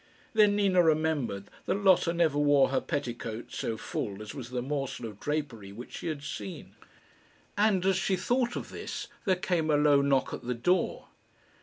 Then Nina remembered that Lotta never wore her petticoats so full as was the morsel of drapery which she had seen. And as she thought of this there came a low knock at the door.